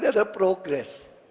ini adalah progres